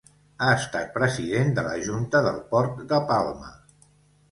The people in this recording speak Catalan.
Ha estat president de la Junta del port de Palma.